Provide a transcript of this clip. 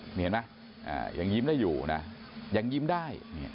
เห็นมั้ยยังยิ้มได้อยู่นะยังยิ้มได้